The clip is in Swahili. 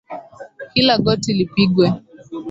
Kila goti lipigwe.